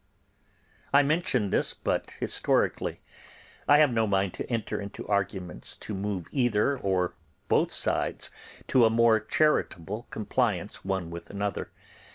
I mention this but historically. I have no mind to enter into arguments to move either or both sides to a more charitable compliance one with another.